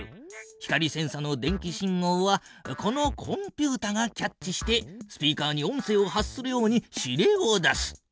光センサの電気信号はこのコンピュータがキャッチしてスピーカーに音声を発するように指令を出す。